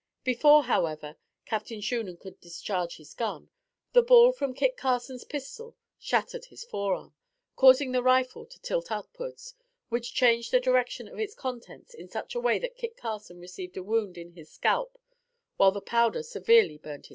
Before, however, Captain Shunan could discharge his gun, the ball from Kit Carson's pistol shattered his forearm, causing the rifle to tilt upwards, which changed the direction of its contents in such a way that Kit Carson received a wound in his scalp while the powder severely burnt his face.